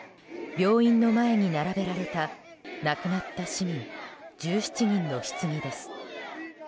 病院の前に並べられた亡くなった市民１７人のひつぎです。